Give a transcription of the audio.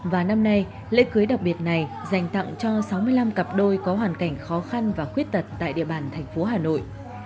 và năm nay lễ cưới đặc biệt này dành tặng cho sáu mươi năm cặp đôi có hoàn cảnh khó khăn và khuyết tật tại địa bàn thành phố hà nội